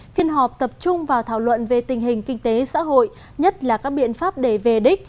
phiên họp tập trung vào thảo luận về tình hình kinh tế xã hội nhất là các biện pháp để về đích